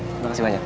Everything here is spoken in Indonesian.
terima kasih banyak